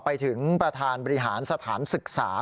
ไปถึงประธานบริหารสถานศึกษา